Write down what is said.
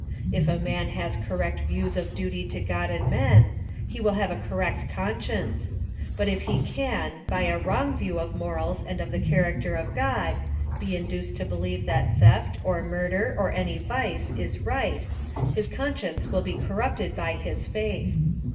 If a man has correct views of duty to God and men, he will have a correct conscience, but if he can, by a wrong view of mor als and of the character of God, be induced to be lieve that theft, or murder, or any vice, is right, his conscience will be corrupted by his faith.